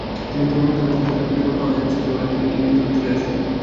তিনি তরুণী থাকা অবস্থায়, তার পরিবার ক্যানসাসের ওয়েলিংটনে চলে আসে।